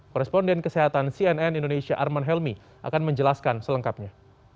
koresponden kesehatan cnn indonesia arman helmi akan menjelaskan selengkapnya